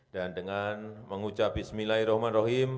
dan dengan mengucap bismillahirrahmanirrahim